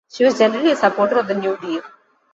She was generally a supporter of the New Deal.